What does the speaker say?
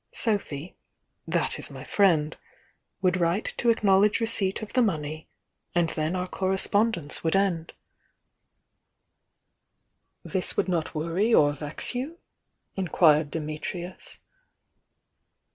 Sophy, — that is my friend — would write to acknowledge receipt of the money, and then our correspondence would end." THE YOUNG DIANA !(»' "This would not vex or worry you?" inquired Di mitrius.